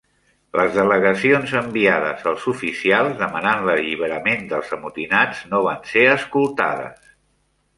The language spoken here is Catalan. Les delegacions enviades als oficials demanant l'alliberament dels amotinats no van ser escoltades.